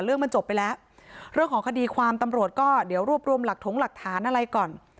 เรื่องมันจบไปแล้วเรื่องของคดีความตำรวจก็เดี๋ยวรวบรวมหลักถงหลักฐานอะไรก่อน